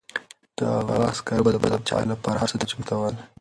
د هغه عسکر به د پاچا لپاره هر څه ته چمتو ول.